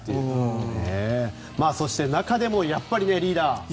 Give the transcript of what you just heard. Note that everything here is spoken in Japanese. そして中でもやっぱりリーダー。